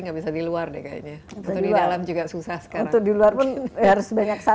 nggak bisa di luar deh kayaknya atau di dalam juga susah sekarang di luar pun harus banyak